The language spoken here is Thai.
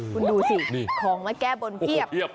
คุณดูสิของมาแก้บนเพียบ